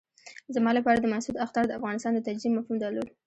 زما لپاره د مسعود اخطار د افغانستان د تجزیې مفهوم درلود.